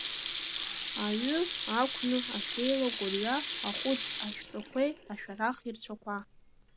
Аҩы, ақәны, ашәеилагәа рҩа, ахәыӡ, ашьтәақәеи ашәарахи рцәақәа.